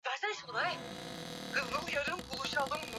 anguliwa na vita vya maneno saa chache kabla ya kuanza rasmi